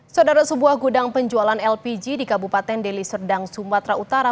saudara sebuah gudang penjualan lpg di kabupaten deli serdang sumatera utara